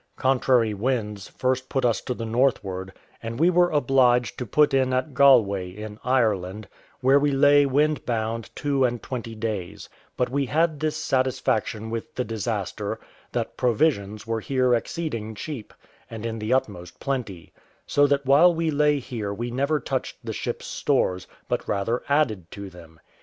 Contrary winds first put us to the northward, and we were obliged to put in at Galway, in Ireland, where we lay wind bound two and twenty days; but we had this satisfaction with the disaster, that provisions were here exceeding cheap, and in the utmost plenty; so that while we lay here we never touched the ship's stores, but rather added to them.